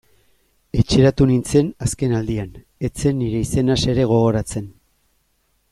Etxeratu nintzen azken aldian, ez zen nire izenaz ere gogoratzen...